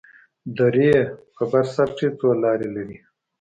درې په بر سر کښې څو لارې لرلې.